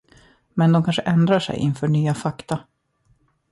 Men de kanske ändrar sig inför nya fakta?